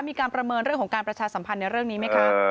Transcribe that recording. มีการประเมินเรื่องของการประชาสัมพันธ์ในเรื่องนี้ไหมคะ